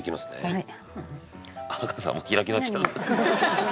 はい。